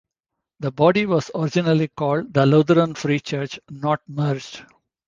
The body was originally called the Lutheran Free Church-not merged.